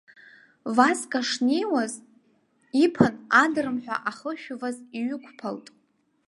Васка шнеиуаз иԥан адрымҳәа ахышәваз иҩықәԥалт.